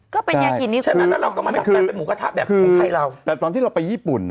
ก็เป็นยากินนี้คือคือคือแต่ตอนที่เราไปญี่ปุ่น